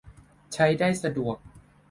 ใช้ได้สะดวก